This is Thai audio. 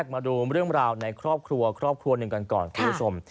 มาดูเรื่องราวในครอบครัวครอบครัวหนึ่งกันก่อนคุณผู้ชม